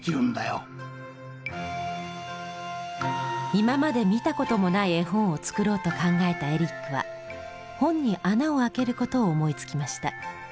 今まで見たこともない絵本を作ろうと考えたエリックは本に穴をあけることを思いつきました。